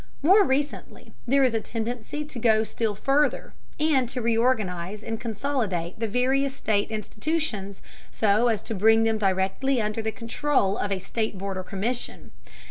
More recently, there is a tendency to go still further, and to reorganize and consolidate the various state institutions so as to bring them directly under the control of a state board or commission.